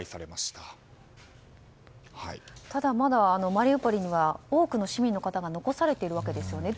ただ、まだマリウポリには多くの市民の方が残されているわけですよね。